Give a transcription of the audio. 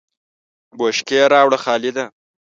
بشکی راوړه خالده !